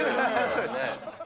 そうですね。